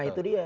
nah itu dia